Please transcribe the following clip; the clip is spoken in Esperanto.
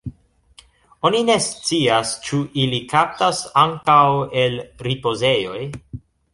Oni ne scias ĉu ili kaptas ankaŭ el ripozejoj.